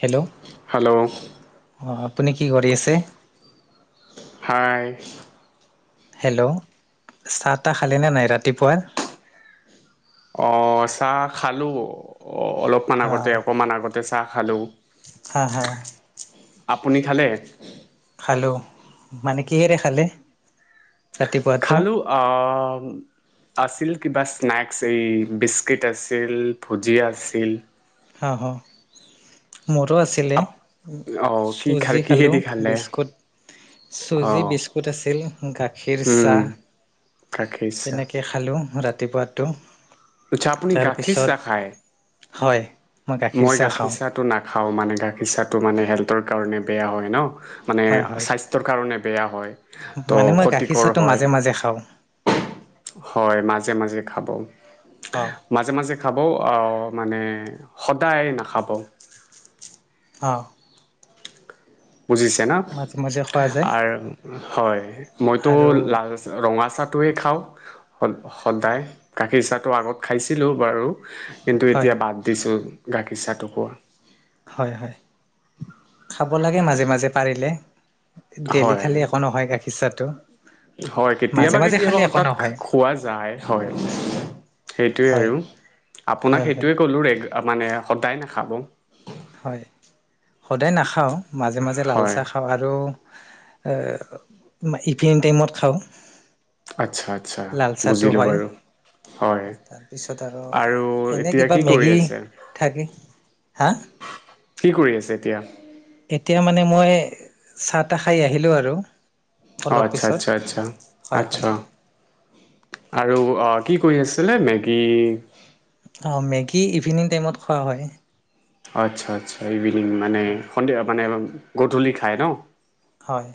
Hello hello অ আপুনি কি কৰি আছে হাই হেল্ল' চাহ তাহ খালেনে নাই ৰাতিপুৱাৰ। অ চাহ খালো অ অলপমান আগতে অকণমান আগতে চাহ খালোঁ হ হা আপুনি খালে খালো মানে কিহেৰে খালে ৰাতিপুৱাটো খালোঁ আহ আছিল কিবা স্নেক্স এই বিস্কিট আছিল ভুজিয়া আছিল হয় হ মোৰো আছিলে আপ অঁ কি খালে চুজি খালোঁ কিহেদি খালে বিস্কুট চুজি অঁ বিস্কুট আছিল গাখীৰ উম চাহ গাখীৰ তেনেকৈ খালোঁ ৰাতি ৰাতিপুৱাটো ত আপুনি গাখীৰ তাৰপিছত চা খায় হয় মই চাহ গাখীৰ খাওঁ চাহটো নাখাও মানে গাখীৰ চাহটো ত মানে হেল্থৰ কাৰণে বেয়া হয় ন মানে হয় হয় স্বাস্থ্যৰ কাৰণে বেয়া হয় ত' মানে মই গাখীৰ খতিকৰ চাহটো হয় মাজে মাজে খাওঁ হয় মাজে মাজে খাব অ মাজে মাজে খাব আৰু মানে সদায় নাখাব অ বুজিছে মাজে মাজে ন খোৱা যায় আৰু হয় মইতো আৰু লাল ৰঙা চাহ য়ে খাওঁ সদায় গাখীৰ চাহটো আগত খাইছিলো বাৰু কিন্তু হয় এতিয়া বাদ দিছো গাখীৰ চাহ টো খোৱা হয় হয় খাব লাগে মাজে মাজে পাৰিলে ডেইলি হয় খালে একো নহয় গাখীৰ চাহটো হয় মাজে কেতিয়াবা মাজে কেতিয়াবা খালে একো হঠাৎ নহয় খোৱা যায় হয় সেইটোৱে হয় আৰু আপোনাক হয় হয় সেইটোৱে কলো ৰে মানে সদায় নাখাব হয় সদায় নাখাওঁ মাজে মাজে লাল হয় চাহ খাওঁ আৰু ইভিনিং টাইমত খাওঁ আচ্ছা আচ্ছা লাল চাহটো বুজিলোঁ হয় বাৰু হয় আৰু এনে এতিয়া কিবা কি কৰি মেগী আছে থাকে হা কি কৰি আছে এতিয়া এতিয়া মানে মই চাহ তাহ খাই আহিলোঁ আৰু অ অলপ আচ্ছা পিছত আচ্ছা আচ্ছা হয় হয় আচ্ছা আৰু কি কৰি আছিলে মেগী অ মেগী ইভিনিং টাইমত খোৱা হয় আচ্ছা আচ্ছা ইভি মানে হয় সন্ধিয়া মানে গধূলি খায় ন হয়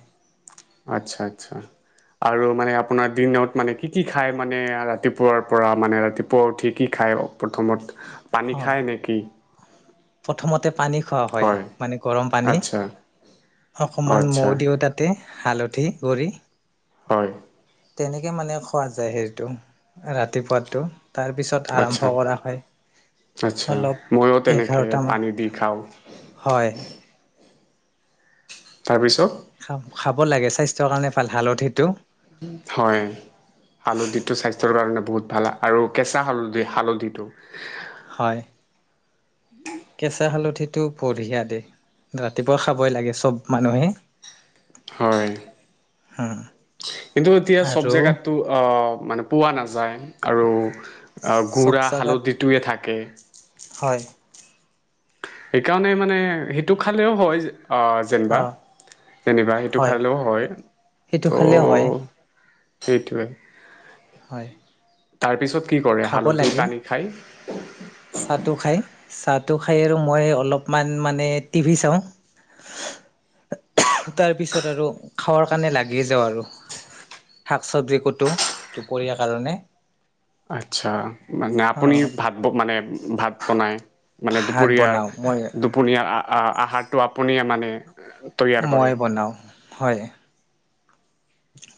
আচ্ছা আচ্ছা আৰু মানে আপোনাৰ দিনত মানে কি কি খায় মানে ৰাতিপুৱাৰ পৰা মানে ৰাতিপুৱা উঠি কি খাই প্ৰথমত পানী অঁ খাই নেকি প্ৰথমতে পানী খোৱা হয় মানে গৰম পানী আচ্ছা অ অকণমান মৌ আচ্ছা দিও তাতে হালধি ধি কৰি হয় তেনেকে মানে খোৱা যায় হেৰিটো ৰাতিপুৱাতো তাৰ পিছত আচ্ছা আৰম্ভ কৰা হয় আচ্ছা অলপ মইয়ো তেনেকে এঘাৰটামান পানী দি খাওঁ হয় তাৰপিছত খা খাব লাগে স্বাস্থ্যৰ কাৰণে ভাল হালধি টো হয় হালধিটো স্বাস্থ্যৰ কাৰণে বহুত ভাল আৰু কেঁচা হালধি হালধিটো হয় কেঁচা হালধি সেইটো বঢ়িয়া দে ৰাতিপুৱা খাবই লাগে চব মানুহে হয় কিন্তু এতিয়া চব আৰু জেগাতটো অ মানে পোৱা নাযায় আৰু আহ চব গুড়া জাগাত হালধিটোৱে থাকে হয় সেইকাৰণে মানে সেইটো খালেও হয়। অ যেনিবা যেনিবা সেইটো হয় খাইেও হয় সেইটো ত'। খালেও হয় সেইটোৱে। হয়। তাৰ পিছত। কি কৰে খাব হালধি লাগে পানি খায়। চাহটো খাই চাহটো খাই আৰু মই অলপমান মানে টিভি চাওঁ তাৰপিছত আৰু খাৱোৱাৰ কাৰণে লাগি যাওঁ আৰু শাক চবজি কতো দুপৰীয়া কাৰণে। আচ্ছা মানে আপুনি অ' ভাত মানে। ভাত বনাই। মানে ভাত দুপৰীয়াৰ বনাওঁ মই দুপৰীয়াৰ আহ আহাৰ। তো আপুনিয়ে মানে। তৈয়াৰ কৰে মই বনাওঁ হয়।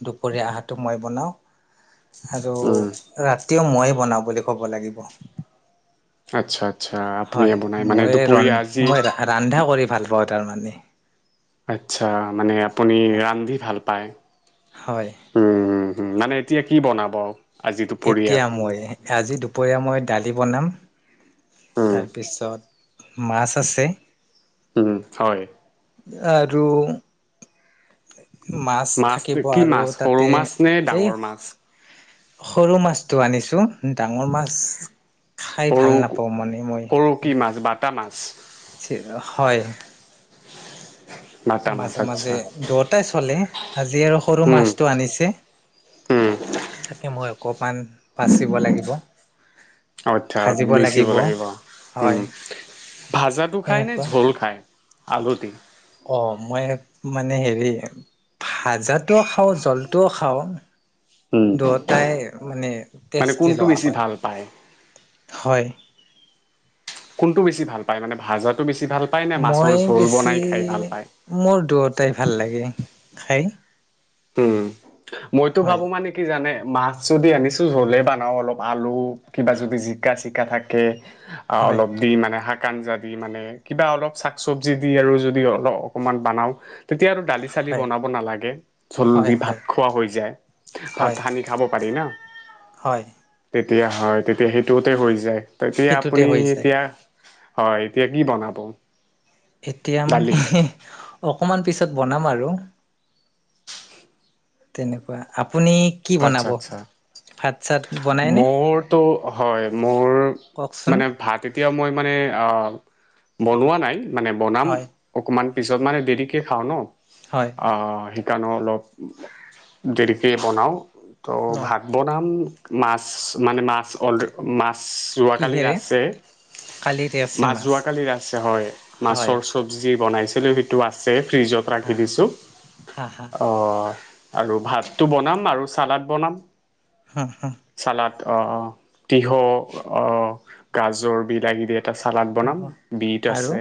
দুপৰীয়া আহাটো মই বনাওঁ আৰু উম ৰা। তে ময়ে বনাওঁ বুলি ক। হয় আচ্ছা আচ্ছা আপুনিয়ে বনাই মানে মই দুপৰীয়া আজি মইন্ধা। কৰি ভাল পাওঁ তাৰমানে। আচ্ছা মানে। আপুনি ৰান্ধি ভাল প। পায়। হয়। উ মানে এতিয়া কি বনাব। আজি দুপৰীয়া এতিয়া মই। আজি দুপৰীয়া মই দালি বনাম। উম তাৰপিছত। মাছ আছে। উম হয় আৰু। মাছ থাকিব কি আৰু মাছ সৰু তাতে মাছ নে এই ডাঙৰ মাছ। সৰু মাছটো আনিছোঁ। ডাঙৰ মাছ খাই সৰু ভাল নাপাওঁ মানে মই। হয়। হয় বাটা মাছ মাজে আচ্ছা মাজে দুয়টাই চলে আজি আৰু সৰু উম মাছটো আনিছে উম তাকে মই। কপমান বাচিব লাগিব। অ আঠা বেচিব লাগিব, উম। হয় ভাজাটো খায় নে এনেকুৱা জোল খায়। আলু দি অ মই মানে হেৰি ভাজাটোও খাওঁ জলটো খাওঁ উম দুয়োটাই মানে মানে টেষ্টি কোনটো লগোৱা বেছি হয়। ভাল পায় হয়। কোনটো বেছি ভাল পায় মানে ভাজাটো বেছ- মই বেছি পায়? মোৰ দুয়োটাই ভাল লাগে খাই। উম মইতো হয় ভাবো মানে কি জানে? মাছ যদি আনিছো হলে বানাও অলপ আলু কিবা যদি জিকা চিকা থাকে। হয় অলপ দি মানে শাক কাঞ্জা দি মানে কিবা অলপ চাক চবজি দি আৰু যদি অলপ অকমান বানাও তেতিয়া আৰু দালি চালি হয় বনাব নালাগে। হয় হয় জল্দি ভাত খোৱা হৈ যায়। ভাত হয় সানি খাব পাৰি ন। হয় তেতিয়া হয় তেতিয়া সেইটোতে হৈ যায়। তেতিয়া সেইটোতে আপুনি হৈ যায় এতিয়া হয় এতিয়া কি বনাব? এতিয়া মানে দালি অকমান পিছত বনাম আৰু আপুনি কি আচ্ছা বনাব? আচ্ছা ভাত ছাত মোৰতো হয় মোৰ কওকচোন মানে ভাত এতিয়া মই মানে অ। বনোৱা নাই। মানে বনাম হয় অকণমান পিছত মানে দেৰিকে খাওঁ ন। অ হয় অ সেইট- কাণো অলপ দেৰিকৈ বনাওঁ। ত ন ভাত বনাম। মাছ মানে মাছ অল মাছ ছোৱা কালিৰ কিহেৰে আছে, কালিৰে আছে মাছ যোৱাকালি আছে হয়। হয় মাছৰ চবজি বনাইছিলো সেইটো আছে। ফ্ৰিজত ৰাখি হা দিছোঁ, হা হা অ। আৰু ভাতটো বনাম আৰু চালাড বনাম। হা হা চালাদ অ তিহয অ গাজৰ বিলাহী দিয় এটা চালাড হা বনাম হা বিট আৰু আছে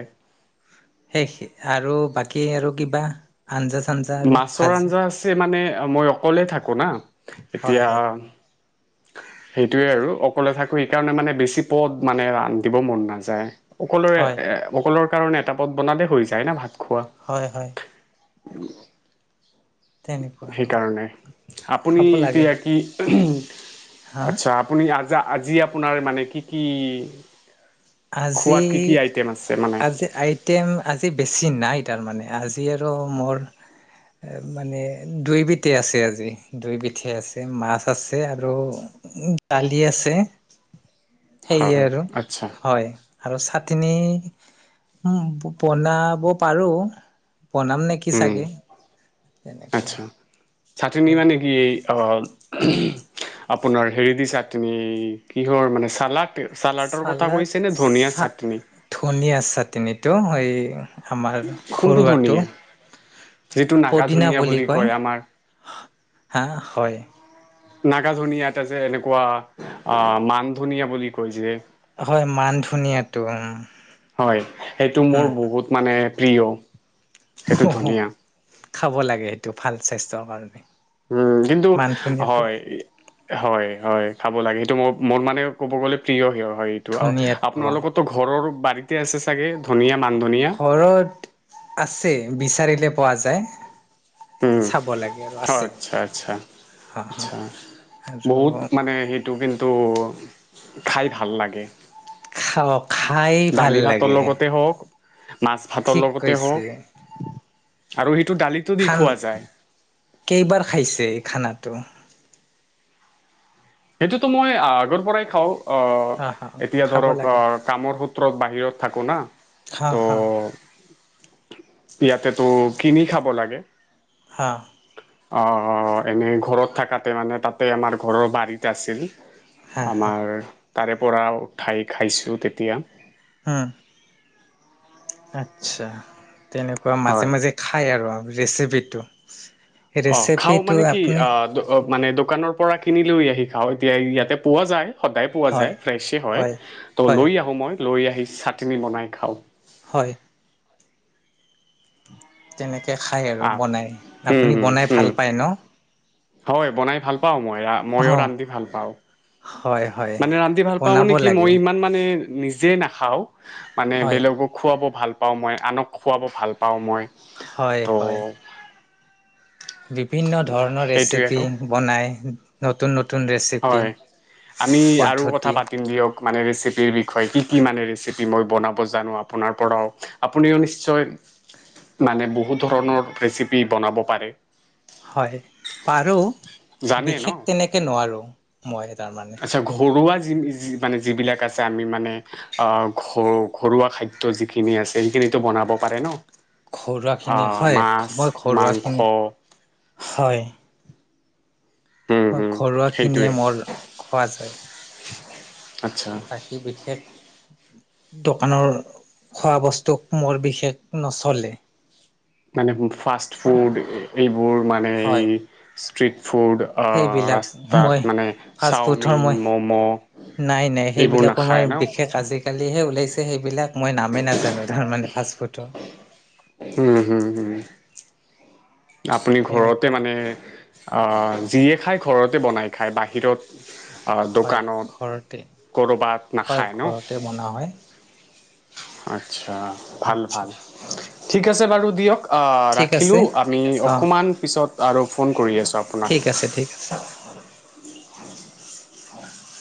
শেষ আৰু বাকী আৰু কিবা আঞ্জা চাঞ্জা আৰু মাছৰ ভাজি আঞ্জা আছে মানে মই অকলেই থাকোঁ না হয় এতিয়া হয় সেইটোয়ে আৰু অকলে থাকো সেই কাৰণে মানে বেছি পৰ মানে ৰান্ধিব মন নাযায় অকলোযে হয় এ অকলৰ কাৰণে এটা পথ বনালে হৈ যায় না ভাত হয় হয় উ তেনেকুৱা সেইকাৰণে আপুনি খাব লাগে এতিয়া কি ঔম হা আচ্ছা আপুনি আ আজি আপোনাৰ মানে কি কি আজি খোৱাত কি কি আইটেম আছে মানে আজি আইটেম আজি বেছি নাই তাৰ মানে আজি আৰু মোৰ মানে দুই বিধ আছে আজি দুই বিধ আছে মাছ আছে আৰু দালি আছে সেয়ে হয় আৰু আচ্ছা হয় আৰু চাতনী উ বনাব পাৰোঁ বনাম নে কি উম চাগে তেনেকুৱা আচ্ছা চাটনি হয় মানে কি এই অকল আপোনাৰ হেৰি দি চা তুমি কিহৰ মানে চালাড চালাডৰ কথা চালাদ কৈছে নে ধনিয়া চা চাটনি ধনিযা ছাটনিটো [unintelligible] কোনটো ধনীয়া যিটো নাগা ধুনীয়া বুলি কয় আমাৰ হা হয় নাগা ধনিয়াত আছে যে এনেকুৱা অ মান ধনিয়া বুলি কৈছে হয় মান ধনিয়াটো হয় সেইটো মোৰ হম হ বহুত মানে প্ৰিয় সেইটো ধুনীয়া খাব লাগে সেইটো ভাল স্বাস্থ্যৰ কাৰণে উম কিন্তু মান ধুনীয়াটো হয় হয় হয়। খাব লাগে সেইটো মোৰ মোৰ মানে ক'ব গ'লে প্ৰিয় সেই আকৌ হয় এইটো আ ধুনীয়াটো অ আপোনালোকৰ ত ঘৰৰ বাৰীতে আছে চাগে ধনিয়া মান ধনিয়া ঘৰত আছে বিচাৰিব তে পোৱা যায়। উম, চাব লাগে আৰু অ আছে আচ্ছা আচ্ছা অ অ আচ্ছা আৰু বহুত মানে সেইটো কিন তো খাই ভাল লাগে। খাওঁক দালি-ভাতৰ লগতে হওঁক মাছ ভাতৰ ঠিক লগতে কৈছে হওঁক আৰু সেইটো দালিতো দি খান খোৱা যায়। টোৱা সেইটোতো মই আগৰ পৰাই খাওঁ হা হা অঅঅ এতিয়া খাব ধৰক ক লাগে। কামৰ স তত বাহিৰত থাকো না হা হা ঠু ইয়াতে তো কিনি খাব লাগে। হা অ অ অ অ, এনেই ঘৰত থাকাতে মানে তাতে আমাৰ ঘৰৰ বাৰীত আছিল। হা হা আমাৰ তাৰে পৰা উঠাই খাইছোঁ তেতিয়া হুম। আচ্ছা তেনেকুৱা মাজে হয় মাজে খাই আৰু আপুনি ৰেচিপিটো উস্ এ অ খাও মানে কি আ দ অ অ মানে দোকানৰ পৰা কিনি লৈ আহি খাওঁ এতিয়া ইয়াতে পোৱা যায় সদায় পোৱা হয় যায় ফ্ৰেছেই হয় ত' হয় লৈ আহোঁ মই লৈ আহি চাটনি বনাই খাওঁ। হয়। তেনেকে কে খায় আৰু আহ বনাই হুম আপুনি হুম বনাই ভাল হুম পায় ন। হয়, বনাই ভাল পাওঁ মই অ মইো ৰান্ধি ভাল পাওঁ। হয় হয় মানে ৰান্ধি ভাল পাওঁ বনাব মানে কি, লাগে মই ইমান মানে নিজে নাখাওঁ। মানে হয় বেলেগক খুৱাব ভাল পাওঁ। মই আনক খোৱাব ভাল পাওঁ মই। হয় ত' - হয়। বিভিন্ন ধৰণৰ সেইটোৱে ৰেচিপি আৰু বনাই নতুন - ন হয়। আমি আৰু কথা পদ্ধতি পাতিম দিয়ক। মানে ৰেচিপিৰ বিষয়ে। কি - কি মানে ৰেচিপি মই বনাব জানো আপোনাৰ পৰাও। আপুনিও নিশ্চয় মানে বহুত ধৰণৰ ৰেচিপি বনাব পাৰে। হয়, পাৰোঁ। জানে ন বিশেষ তেনেকে নোৱাৰোঁ। মই তাৰমানে আচ্ছা ঘৰুৱা যে যি- যি মানে- যিবিলাক আছে আমি মানে, অ'- ঘ- ঘৰুৱা খাদ্য যিখিনি আছে, সেইখিনতো বনাব পাৰে ন'? ঘৰুৱা খিনি অ' হয় মাছ, মই ঘৰুৱা মাংস, খিনি হয়। হম মই হম ঘৰুৱাখিনিয়ে সেইটোৱে মোৰ খোৱা যায়। আচ্ছা বাকী বিশেষ দোকানৰ খোৱা-বস্তুক মোৰ বিশেষ নচলে। মানে ফাষ্ট-ফুড এই হয়। ষ্ট্ৰিট ফুড আহ সেইবিলাক ৰাস্তাত মই মানে ফাষ্ট-ফুডৰ চাওমিন ম'ম' মই- নাই - নাই এইবোৰ সেইবিলাকৰ মই নাখায় ন বিশেষ আজিকালিহে ওলাইছে সেইবিলাক। মই নামেই নাজানো তাৰ মানে ফাষ্ট-ফুডটো। উম - হুম - হুম। আপুনি ঘৰতে তেনেকুৱা মানে অ' যিয়ে খায়, ঘৰতে বনাই খায়। বাহিৰত অ' হয় দোকানত, ঘৰতে ক'ৰবাত হয় নাখায় ন'? ঘৰতে বনোৱা হয় আচ্ছা। ভাল - আচ্ছা ভাল। ঠিক আছে বাৰু, দিয়ক। অ' ঠিক আছে ৰাখিলোঁ। আমি অঁ অকণমান পিছত আৰু ফোন কৰি আছোঁ আপোনাক। ঠিক আছে ঠিক আছে। হয় হয়।